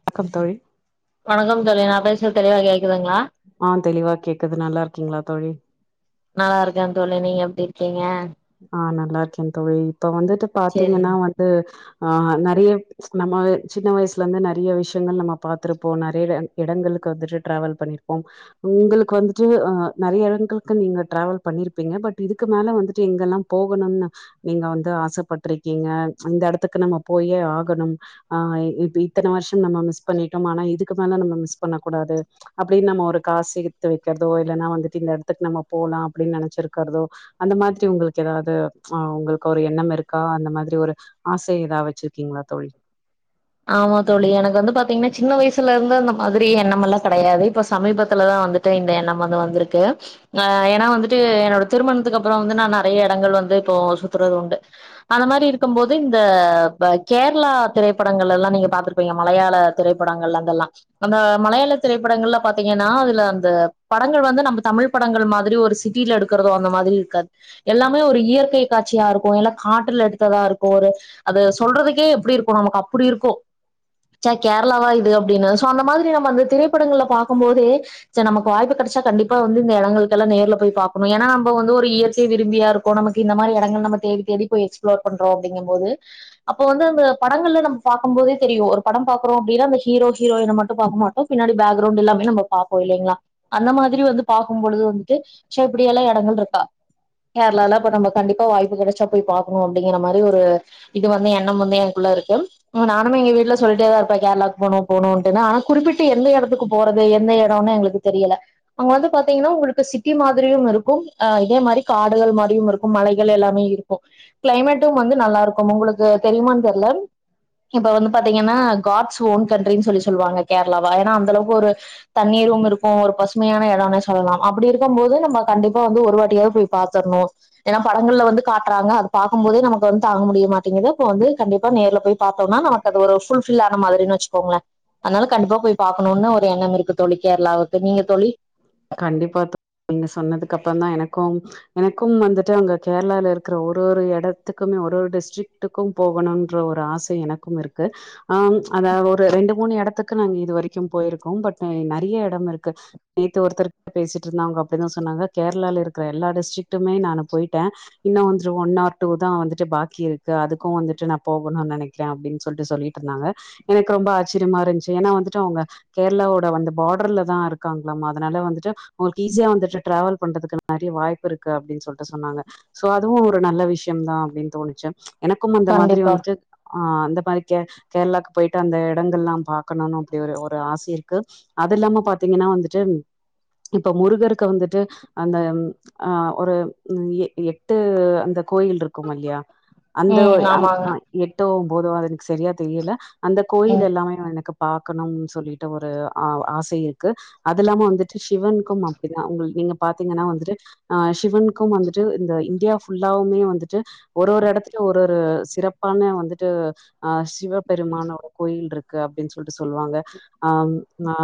வணக்கம் தோழி வணக்கம் தோழி நா பேசுரது தெளிவா கேக் ஆ தெளிவா கேக்குது நல்லா இருக்கீங்களா தோழி நல்லா இருக்கே தோழி நீங்க எப்டி இருக்கீங்க ஆ நல்லா இருக்கே தோழி இப்ப வந்துட்டு பாத்தீங்கன்னா சேரிங்க வந்து ஆ நிறைய நம்ம சின்ன வயசுல இருந்து நறைய விஷயங்கள் நம்ம பாார்த்திருப்போ நிறைய எடங்களுக்கு வந்துட்டு ட்ராவல் பண்ணிருப்போ உங்களுக்கு வந்துட்டு நறைய எடங்களுக்கு நீங்க டிராவல் பண்ணிருப்பீங்க பட் இதுக்கு மேல வந்துட்டு ட்டு இங்கல்லா போகணும்னு நீங்க வந்து ஆசைப்பட்டிருக்கீங்க இந்த எடத்துக்கு நம்ம போயே ஆகணு ஆ இத்தனை வருஷோ நம்ம மிஸ் பண்ணிட்டோ ஆனா இதுக்கு மேல நம்ம மிஸ் பண்ண கூடாது அப்டின்னு நம்ம ஒரு காசு சேத்து வைக்கிறதோ இல்லைன்னா வந்துட்டு இந்த எடத்துக்கு நம்ம போலா அப்டின்னு நினைச்சிருக்கிறதோ அந்த மாதிரி உங்களுக்கு ஏதாவுது ஆ உங்களுக்கு ஒரு எண்ணம் இருக்கா அந்த மாதிரி ஒரு ஆசை ஏதா வச்சுருக்கீங்களா தோழி ஆமா தோழி எனக்கு வந்து பாத்தீங்கன்னா சின்ன வயிசுல இருந்து அந்த மாதிரி எண்ணம் எல்லா கெடையாது இப்ப சமீபத்துலதான் வந்துட்டு இந்த எண்ணம் வந்து வந்திருக்கு ஆ ஏன்னா வந்துட்டு என்னோட திருமணத்துக்கு அப்றோம் வந்து நா நெறைய இடங்கள் வந்து இப்போ சுத்துறது உண்டு அந்த மாரி இருக்கும் போது ப இந்த கேரளா திரை படங்கள் எல்லா நீங்க பாத்துருப்பீங்க மலையாள திரைப்படங்கள் அதெல்லா அந்த மலையாள திரைப்படங்கள்ல பாத்தீங்கன்னா அதுல அந்த படங்கள் வந்து நம்ம தமிழ் படங்கள் மாதிரி ஒரு சிட்டில எடுக்கிறதோ அந்த மாரி இருக்காது எல்லாமே ஒரு இயற்கை காட்சியா இருக்கும் எல்லா காட்டுல எடுத்ததா இருக்கும் ஒரு அது சொல்றதுக்கே எப்டி இருக்கும் நமக்கு புடி இருக்கும் ச கேரளாவா இது அப்பிடின்னு சோ அந்த மாதிரி நம்ம அந்த திரைப்படங்கள்ல பாக்கம் போதே ச நமக்கு வாய்ப்பு கெடைச்சா கண்டிப்பா வந்து இந்த எடங்களுக்குல்லா நேர்ல போயி பாக்கணு ஏன்னா நம்ம வந்து ஒரு இயற்கை விரும்பியா இருக்கோம் நமக்கு இந்த மாதிரி இடங்கள நம்ம தேடி தேடி போயி எக்ஸ்பிளோர் பண்றோம் அப்டிங்க போது அப்ப வந்து அந்த படங்கள்ல நம் பாக்கும் போதே தெரியும் ஒரு படம் பாக்குறோம் அப்பிடின்னா அந்த ஹீரோ ஹீரோயின மட்டு பாக்க மாட்டோம் பின்னாடி பேக்கிரவுண்ட் எல்லாமே நம்ம பாப்போ இல்லைங்ளா அந்த மாதிரி வந்து பாக்கும் பொழுது வந்துட்டு சே இப்புடியல்லா எடங்கள் இருக்கா கேரளால அப்ப நம்ம கண்டிப்பா வாய்ப்பு கெடைச்சா போயி பாக் கனும் அப்டிங்கற மாரி ஒரு இது வந்து எண்ணம் வந்து எனக்குள்ள இருக்கு நானுமே எங்க வீட்ல சொல்லிட்டேதான் இருப்பேன் கேரளாக்கு போணு போணு ஆனா குறிப்பிட்டு எந்த எடத்துக்கு போறது எந்த எடம்னு எங்களுக்கு தெரியல அங்க வந்து பாத்தீங்கன்னா உங்களுக்கு சிட்டி மாதிரியும் இருக்கும் இதே மாரி காடுகள் மாரியும் இருக் கும் மலைகள் எல்லாமே இருக்கும் கிளைமேட்டு வந்து நல்லாருக் ஒங்களுக்கு தெரியுமானு தெர்லை இப்ப வந்து பாத்தீங்கன்னா காட்ஸ் ஓன் கண்ட்ரி சொல்லி சொல்லுவாங்க கேரளாவ ஏனா அந்த அளவுக்கு ஒரு தண்ணீர்ரும் இருக்கும் ஒரு பசுமையான எட டனே சொல்லலாம் அப்புடி இருக்கும் போது நம்ம கண்டிப்பா வந்து ஒரு வாட்டியாது போயி பாத்தர்ணு ஏன்னா படங்கள்ல வந்து காட்டுறாங்க பாக்கும்போதே நமக்கு வந்து தாங்க முடிய மாட்டிங்கிது அப்ப வந்து கண்டிப்பா நேர்ல போய் பாத்தோன்னா நமக்கு அது ஒரு ஃபுல் ஃபில் ஆன மாரினு வச்சுக்கோங்களேன் அதுனால கண்டிப்பா போய் பாக்கணுன் ஒரு எண்ணம் இருக்கு தோழி கேரளாவுக்கு நீங்க தோழி அப்ற தான் எனக்கும் எனக்கும் வந்துட்டு அவங்க கேரளால இருக்கிற ஊர் ஒரு ஒரு எடத்துக்குமே ஒரு ஒரு டிஸ்ரிக்ட்குமே போகணுன்ற ஒரு ஆசை எனக்கும் இருக்கு ஹம் ஒரு ரெண்டு மூணு எடத்துக்கு நாங்க இது வரைக்கும் போயிருக்கோம் பட் நெறைய எடம் இருக்கு நேத்து ஒருத்தர்கிட்ட பேசிட்டு இருந்தங்க அப்டிதா சொன்னாங்க கேரளல இருக்கிற எல்லா டிஸ்ரிக்டுமே நா வந்து போயிட்டேன் இன்னும் ஒன் ஆர் டூ தான் வந்துட்டு பாக்கி இருக்கு அதுக்கும் வந்துட்டு நா போகணுன் நினைக்கிறேன் அப்டினு சொல்லி சொல்லிட்டு இருந்தாங்க எனக்கு ரொம்ப ஆச்சிரியமா இருந்துச்சு ஏன்னா வந்து அவுங்க கேரளாவோட வந்த பார்டர்ல தான் இருக்காங்குலமா அதுனால வந்துட்டுஅவுகளுக்கு ஈஸியா வந்து டிராவல் பண்றதுக்கு நறைய வாய்ப்பு இருக்கு அப்டின்னு சொல்லிட்டு சொன்னாங்க அதுவும் ஒரு நல்ல விஷயம் தான் அப்டின் தோணுச்சு எனக்கும் அந்த மாதிரி கண்டிப்பா வந்துட்டு ஆ அந்த மாரி கே கேரளாக்கு போயிட்டு அந்த எடங்கள்லா பாக்கணு அப்டி ஒரு ஒரு ஆசை இருக்கு அதுல்லாம பாத்தீங்கன்னா வந்துட்டு இப்ப முருகருக்கு வந்துட்டு அந்த ஆ ஒரு ம் எ ஏ எட்டு அந்த கோயில் இருக்குமா இல்லையா அந்த ஓ ம் ஆமாங்க எட்டோ போடுவா அதுக் சரியா தெரியல அந்த கோயில் ம் எல்லாமே எனக்கு பாக்கணுன் சொல்லிட்டு ஒரு ஆசை இருக்கு அது இல்லாம வந்துட்டு சிவனுக்கும் அப்டிதான் உங்களுக் நீங்க பாத்தீங்கன்னா வந்துட்டு சிவனுக்கும் வந்துட்டு இந்த இ இந்தியா ஃபுல்லாவுமே வந்துட்டு ஒரு ஒரு எடத்துல ஒரு ஒரு சிறப்பான வந்துட்டு அ ஷ் சிவபெருமானோட கோயில் இருக் கு அப்டின்னு சொல்லிட்டு சொல்லுவாங்க அஹ் அ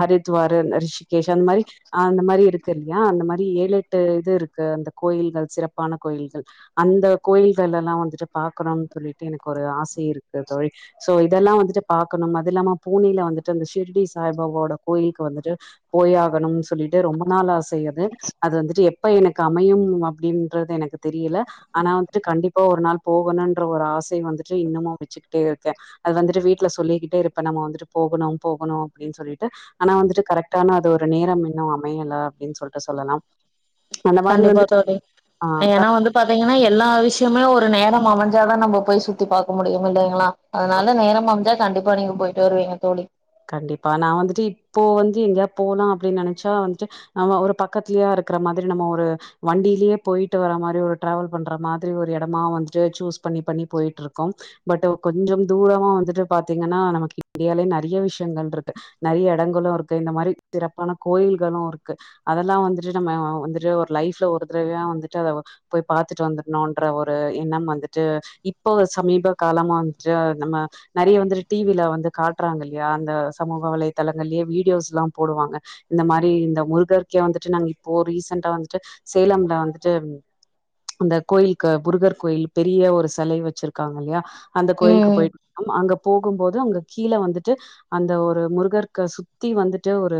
ஹரித்வாரு ரிஷிகேஷ் அந்த மாதிரி அந்த மாதிரி இருக்கு இல்லையா அந்த மாதிரி ஏழு எட்டு இது இருக்கு அந்த கோயில்கள் சிறப்பு சிறப்பான கோயில்கள் அந்த கோயில்கள்யெல்லா வந்துட்டு பார்க்கணும்னு சொல்லிட்டு எனக்கு ஒரு ஆச இருக்கு தோழி ஷோ இதெல்லா வந்துட்டு பாக்கணு அது இல்லாம பூனில வந்துட்டு அந்த ஷிரடி சாய்பாபாவோட கோயிலுக்கு வந்துட்டு போய்ஆகணும்னு சொல்லிட்டு ரொம்ப நாள் ஆசை இது அது வந்துட்டு எப்ப எனக்கு அமையு அப்படின்னு இன்னது எனக்கு தெரியல ஆனா வந்துட்டு கண்டிப்பா ஒரு நாள் போகணும்ன்ற ஒரு ஆசை வந்துட்டு இன்னுமு வச்சுக்கிட்டே இருக்கேன் அது வந்துட்டு வீட்டுல சொல்லிக்கிட்டே இருப்ப நம்ம வந்துட்டு போகணு போகணு அப்டின்னு சொல்லிட்டு ஆனா வந்துட்டு கரெக்டான அது ஒரு நேரம் இன்னு அமையல அப்டின்னு சொல்லிட்டு சொல்லலாம் அந்த மாரி கண்டிப்பா வந்துட்டு தோழி ஏன்னா வந்து பாத்தீங்கன்னா எல்லா ஆல் விஷியமே ஒரு நேரோ அமைஞ்சாதா நம்ம போய் சுத்தி பார்க்க முடியு இல்லைங்களா ஆ அதனால நேரம் அமைஞ்சா கண்டிப் அப்ப நீங்க போயிட்டு வருவீங்க தோழி கண்டிப்பா நா வந்துட்டு இப்போ வந்து எங்கேயா போலா அப்டின்னு நெனைச்சா வந்துட்டு நம்ம ஒரு பக்கத்தலயே இருக்குற மாதிரி நம்ம ஒரு வண்டியிலேயே போயிட்டு வர மாரி ஒரு டிராவல் பண்ற மாதிரி ஒரு எடமா வந்துட்டு சூஸ் பண்ணி பண்ணி போயிட்டு இருக்கோ பட் கொஞ்சம் தூரமா வந்துட்டு பாத்தீங்கன்னா நமக்கு இந்தியாலேயே நறைய விஷிய ன்டுஇருக் நறைய எடங்களு இருக்கு இந்த மாதிரி சிறப்பான கோயில்களு இருக்கு அதெல்லா வந்துட்டு நம்ம வந்துட்டு ஒரு லைஃப்ல ஒரு தடவையா வந்துட்டு அத போய் பாத்துட்டு வந்துணும்யென்ற ஒரு எண்ணம் வந்துட்டு இப்ப சமீப காலமா வந்துட்டு நம்ம நறைய வந்துட்டு டிவில வந்து காட்டுறாங்க இல்லையா இந்த சமூக வலைதளங்கள்யே வீடியோஸ்ல்லா போடுவாங்க இந்த மாரி இந்த முருகர் கே வந்துட் நாங்க இப்போ ரீசன்ட வந்துட்டு சேலம்ல வந்துட்டு இந்த கோயிலுக் முருகர் கோயில் பெரிய ஒரு செலை வச்சிருக்காங்க இல்லையா அந்த கோயிலுக்கு ம் போயிட்டு இருந்தோ அங்க போகும்போது அங்க கீழ வந்துட்டு அந்த ஒரு முருகர்க சுத்தி வந்துட்டு ஒரு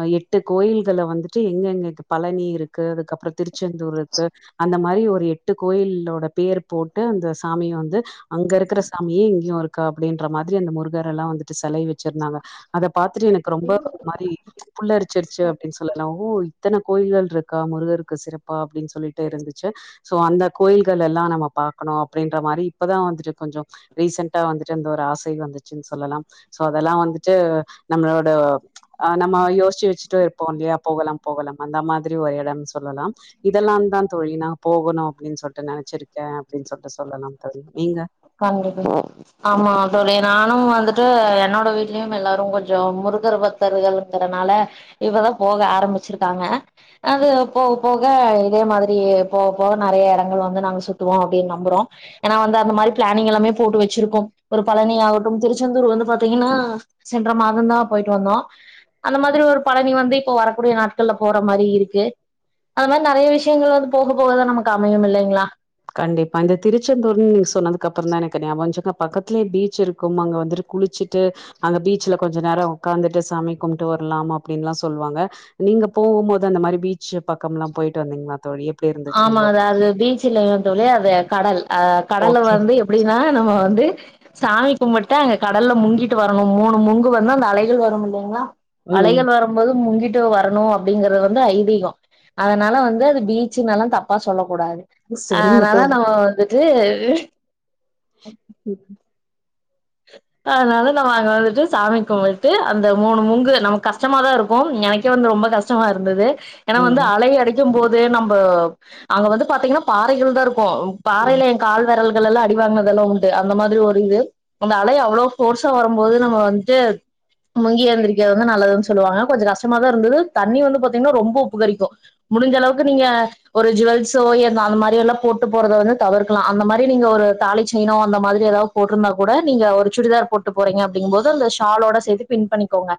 அ எட்டு கோயில்கள வந்துட்டு எங்க எங்க பழனி இருக்கு அதுக்கப்றம் திருச்செந்தூர் இருக்கு அந்த மாரி ஒரு எட்டு கோயிலோட பேர் போட்டு அந்த சாமி வந்து அங்க இருக்கிற சாமியே இங்கேயு இருக்கா அப்டின்ற மாரி அந்த முருகர் எல்லா வந்துட்டு செலை வச் வச்சிருந்தாங்க அத பாத்துட்டு எனக்கு ரொம்ப ஒரு மாரி புள்ளரிச்சிருச்சி அப்டின்னு சொல்லலா ஓ இத்தன கோயில்கள் இருக்கா முருகருக்கு சிறப்பா அப்டின்னு சொல்லிட்டு இருந்துச்சி சோ அந்த கோயில்கள் எல்லா நம்ம பார்க்கனு அப்டின்னு மாரி இப்பதா வந்துட் கொஞ்சோ ரீசன்ட்டா வந்துட் அந்த ஒரு ஆசை வந்துச்சுனு சொல்லலா சோ அதெல்லா வந்துட்டு நம்மளோட நம்ம யோசிச்சி வச்சுட்ட இருப்போ இல்லியா போகலா போகலா அந்த மாதிரி ஒரு எடம்னு சொல்லலா இதெல்லா தா தோழி நா போகணு அப்டின்னு சொல்லிட்டு நினைச்சிருக்கே அப்டின்னு சொல்லிட்டு சொல்லலா தோழி நீங்க கண்டிப்பா ஆமா தோழி நானு வந்துட்டு என்னோட வீட்லயு எல்லாரு கொஞ்சோ முருகர் பத்தர்கள்கனால இப்பதா போக ஆரம்பிச்சிருக்காங்க அது போக போக இதே மாதிரி போக போக நெறய எடங்கள் வந்து நாங்க சுத்துவோ அப்டின்னு நம்புறோ ஏனா வந்து அந்த மாரி அனிங்கலாமே போட்டு வச்சிருக்கோ ஒரு பழனி ஆகட்டும் திருச்செந்தூர் வந்து பாத்தீங்கன்னா சென்ற மாதம்தா போயிட்டு வந்தோ அந்த மாரி ஒரு பழனி வந்து இப்போ வரக்கூடிய நாட்கள்ல போற மாரி இருக்கு அத மாரி நெறய விஷயங்கள் வந்து போக போகதா நமக்கு அமையு இல்லிங்களா அது அப்றம்தா எனக்கு [unintelligible] பக்கத்தில பீச் இருக்கு அங்க வந்துட்டு குளிச்சுட்டு அங்க பீச்சல கொஞ்சம் நேரோ உக்காந்துட்டு சாமி கும்பிட்டு வரலா அப்டினுல்லா சொல்லுவாங்க நீங்க போகும் போது அந்த மாரி பீச்ச பக்கம்ல்லா போயிட்டு வந்தீங்களா தோழி எப்டி இருந்துச்சு ஆமா உங்களோட அதா அது பீச்ல ஒரு வழியா‌ அது கடல் அ கடல ஓகே வந்து எப்டின்னா நம்ம வந்து சாமி கும்புட்டு ட்ட அங்க கடல்ல முங்கிட்டு வரணு மூணு முங்கு வந்து அந்த அலைகள் வரு இல்லிங்களா ம் அலைகள் வரும்போது முங்கிட்டு ட்டு வரணு அப்படிங்கிறது வந்து ஐதீகோ அதனால வந்து அது பீச் ச்சுனலா தப்பா சொல்ல கூடாது சரிங்க அதனால தோழி நம்ம வந்து ட்டு ம் அதனால நம்ம அங்க வந்துட்டு சாமி கும்பிட்டு அந்த மூணு மூங்கு நமக்கு கஷ்டமாதா இருக்கும் எனக்கே வந்து ரொம்ப கஷ்டமாதா இருந்தது ஏனா வந்து ம் அலை அடிக்கும் போது நம்ப அங்க வந்து பாத்தீங்கன்னா பாறைகள் தான் இருக் கும் பாறையில என் கால் வெரல் கல்லுல எல்லா அடி வாங்கினதெல்லாம் உண்டு அந்த மாரி ஒரு இது அந்த அலை அவ்ளோ போர்ஸா வரும்போது நம்ம வந்துட்டு முங்கி எழுந்திக்கிறது வந்து நல்லதுன்னு சொல்லுவாங்க கொஞ்சம் கஷ்டமாதா இருந்தது தண்ணி வந்து பாத்தீங்கன்னா ரொம்ப உப்புகரிக்கும் முடிஞ்ச அளவுக்கு நீங்க ஒரு ஜுவெல்ஸோ அந்த மாரி எல்லா போட்டு போறதை வந்து தவிர்கலாம் அந்த மாரி நீங்க ஒரு தாலி செயினோ அந்த மாரி ஏதாவது போட்டிருந்தா கூட நீங்க ஒரு சுடிதார் போட்டு போறீங்க அப்டிங்கும்போது அந்த ஷாலோட சேத்து பின் பண்ணிக்கோங்க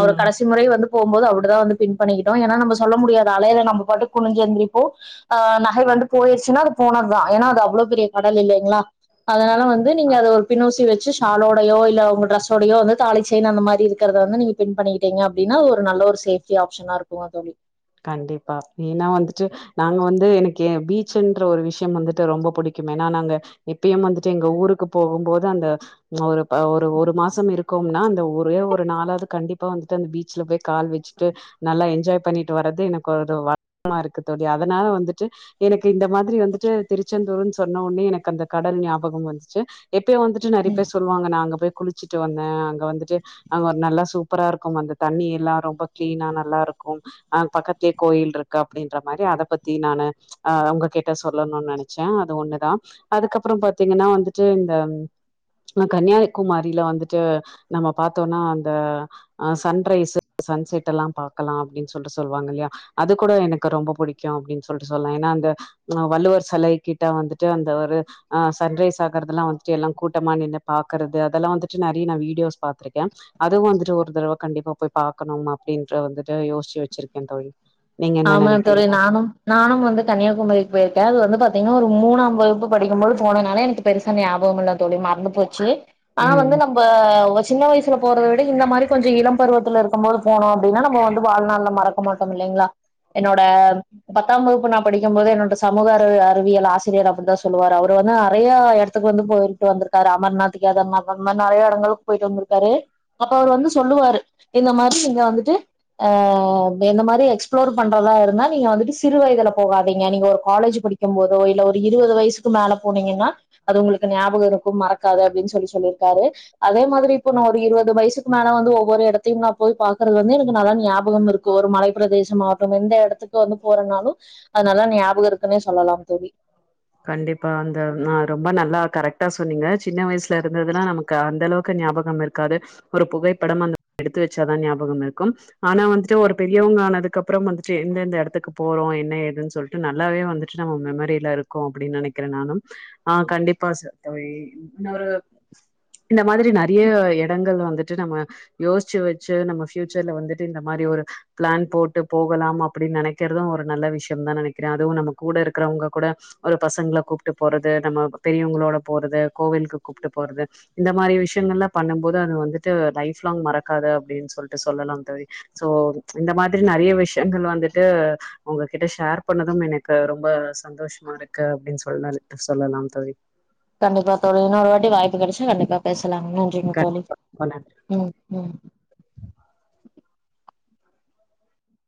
ம் ஆ கடைசி முறை வந்து போம் போது அவர் அப்டி தா பின் பண்ணிக்கிட்டோம் என்னா நம்மசொல்ல முடியாது ஏன்னா அலைல வந்து நம்ம பாட்டுக்கு குனிஞ்சு எந்திரிப்போ ஆ நகை வந்து போயிடுச்சுன்னா அது போனது தா ஏன்னா அது அவ்ளோ பெரிய கடல் இல்லங்களா வந்து நீங்க அத ஒரு பின் உசி வச்சி ஷாலோடயோ இல்ல உங்க டிரெஸோடயோ வந்து தாலி செயின் அந்த மாரி இருக்கிறத வந்து நீங்க பின் பண்ணிக்கிட்டிங்க அப்டினா அது ஒரு நல்ல ஒரு சேஃப்டி ஆப்ஷனா இருக்கு தோழி கண்டிப்பா ஏன்னா வந்துட்டு நாங்க வந்து எனக்கு பீச்சன்ற ஒரு விஷயம் வந்துட்டு ரொம்ப புடிக்கும் ஏனா நாங்க இப்பயும் வந்துட்டு எங்க ஊருக்கு போகும்போது அந்த ஒரு ஒரு ஒரு மாச இருக்கோனா அந்த ஒரே ஒரு நாளாவது கண்டிப்பா வந்துட்டு அந்த பீச்ல போய் கால் வச்சுட்டு நல்லா என்ஜாய் பண்ணி வர்றது எனக்கு ஒரு வருத்தமா இருக்கு தோழி அதனால வந்துட்டு எனக்கு இந்த மாரி வந்துட்டு திருச்செந்தூரு சொன்ன உடனே எனக்கு அந்த கடல் ஞாபகம் வந்துச்சு எப்பயோ வந்துட்டு நெறைய பேர் சொல்லுவாங்க நா எங்க போய் குளிச்சுட்டு வந்தேன் அங்க வந்துட்டு அங்க ஒரு நல்லா சூப்பரா இருக்கும் அந்த தண்ணி எல்லா ரொம்ப கிளீனா நல்லா இருக்கும் அ பக்கத்துலயே கோயில் இருக்கு அப்டின்ற மாரி அதை பத்தி நானு அ உங்க கிட்ட சொல்லணும்னு நெனைச்சேன் அது ஒண்ணுதா அதுக்கப்றோ பாத்தீங்கன்னா வந்துட்டு இந்த கன்னியாகுமாரில வந்துட்டு நம்ம பாத்தோம்னா அந்த அ சன்ரைஸ் சன்செட் எல்லா பாக்கலாம் அப்டின்னு சொல்லுவாங்க இல்லயா அது கூட எனக்கு ரொம்ப பிடிக்கும் அப்டினு சொல்லிடு சொன்னே அந்த வள்ளுவர் சில கிட்ட வந்துட்டு அந்த ஒரு சன்ரைஸ் ஆகுறதெல்லாம் வந்து எல்லா கூட்டமா நின்னு பாக்கறது அதெல்லாம் வந்துட்டு நெறைய நா வீடியோஸ் பாத்திருக்கேன் அதுவும் வந்துட்டு ஒரு தடவை கண்டிப்பா போய் பாக்கணும் அப்டிற வந்துட்டு யோசிச்சி வச் சுருக்கேன் தோழி ஆமா தோழி நானும் நானும் வந்து கன்னியாகுமரிக்கு போயிருக்கேன் அது வந்து பா பாத்திங்கன்னா ஒரு மூணாம்து வகுப்பு படிக்கும் போது போன நால எனக்கு பெருசா ஞாபகம் இல்ல தோழி மறந்து போச்சு ஆ ம் வந்து நம்ப சின்ன வயசுல போறத விட இந்த மாரி கொஞ்சம் இளம் பருவத்துல இருக்கும்போது போனோம் அப்டின்னா நம்ம வந்து வாழ்நாள்ல மறக்க மாட்டோம் இல்லங்களா என்னோட பத்தாம் வகுப்பு நா படிக்கும் போது என்னோட சமூக அறிவியல் ஆசிரியர் அப்டின தா சொல்லுவாரு அவரு வந்து நிறைய இடத்துக்கு வந்து போயிட்டு வந்திருக்காரு அமர்நாத் கேதர்நாத் அந்த மாரி நிறைய இடங்களுக்கு போயிட்டு வந்திருக்காரு அப்ப அவரு வந்து சொல்லுவாரு இந்த மாரி இங்க வந்துட்டு ஆ என்ன மாரி எக்ஸ்ப்ளோர் பண்றதா இருந்தா நீங்க வந்துட்டு சிறு வயதுல போகாதீங்க நீங்க ஒரு காலேஜ் படிக்கும் போதோ இல்ல ஒரு இருவது வயசுக்கு மேல போனீங்கன்னா அது உங்களுக்கு ஞாபகம் இருக்கும் மறக்காது அப்டினு சொல்லி சொல்லியிருக்காரு அதே மாரி இப்போ நா ஒரு இருபது வயசுக்கு மேலே வந்து ஒவ்வொரு இடத்தையும் நா போய் பாக்கிறது வந்து எனக்கு நல்லா ஞாபகம் இருக்கு ஒரு மலை பிரதேசம் மாவட்டம் எந்த இடத்துக்கு வந்து போறனாலும் அது நல்லா ஞாபகம் இருக்குன்னே சொல்லலாம் தோழி கண்டிப்பா அந்த நா ரொம்ப நல்லா கரெக்டா சொன்னீங்க சின்ன வயசு இருந்ததுனா நமக்கு அந்த அளவு ஞாபகம் இருக்காது ஒரு புகைப்படம் எடுத்து வச்சாதான் ஞாபகம் இருக்கும் ஆனா வந்துட்டு ஒரு பெரியவங்க ஆனதுக்கு அப்றோ வந்துட்டு எந்தெந்த எடத்துக்கு போறோம் என்ன என் ஏதுனு சொல்லிட்டு நல்லாவே வந்துட்டு நம்ம மெம்மரில இருக்கும் அப்டின்னு நினைக்கிறேன் நானும் ஆ கண்டிப்பா தோழி இன்னொரு இந்த மாரி நிறைய இடங்கள் வந்து தட்டனமா யோசிச்சி வச்சி நம்ம ஃப்யூச்சர்ல வந்துட்டு இந்த மாரி ஒரு பிளான் போட்டு போகலாம் அப்டி நெனைக்கிறதும் ஒரு நல்ல விஷியம் தா நெனைக்கிறே அதுவும் நம்ம கூட இருக்கிறவங்க கூட ஒரு பசங்கள கூப்ட்டு போறது நம்ம பெரியவங்களோட போறது கோவிலுக்கு கூப்ட்டு போறது இந்த மாரி விஷியங்கள்லாம் பண்ண போது அது வந்துட்டு லைஃப் லாங் மறக்காது அப்டின் சொல்ட்டு சொல்லலாம் தோழி சோ இந்த மாதிரி நறையா விஷியங்கள் வந்து ட்டு உங்ககிட்ட ஷேர் பண்ணதும் எனக்கு ரொம்ப சந்தோஷமா இருக்கு அப்டின் சொன்னாரு சொல்லலாம் தோழி கண்டிப்பா தோழி இன்னொரு வாட்டி வாய்ப்பு கெடச்ச கண்டிப்பா பே சலாம் நன்றிங்கத் தோழி கண்டிப்பா ம் ம்